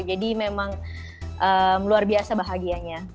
jadi memang luar biasa bahagianya